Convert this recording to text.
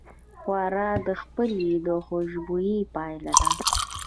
ښوروا د پخلي د خوشبویۍ پایله ده.